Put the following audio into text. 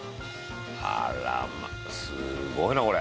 あらますごいなこれ。